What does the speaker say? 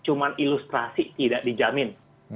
cuma ilustrasi tidak dijamin